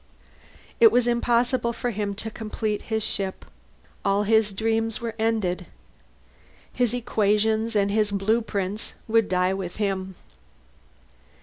It was impossible for him to complete his ship. All his dreams were ended. His equations and his blueprints would die with him.